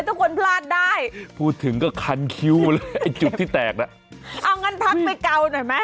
พักไปเกาหน่อยไหม